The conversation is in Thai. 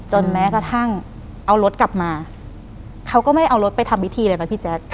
แม้กระทั่งเอารถกลับมาเขาก็ไม่เอารถไปทำพิธีเลยนะพี่แจ๊ค